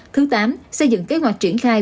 thứ tám xây dựng kế hoạch triển khai